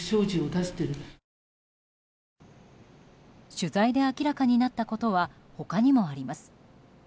取材で明らかになったことは他にもあります。